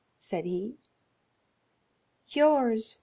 said he. "Yours!"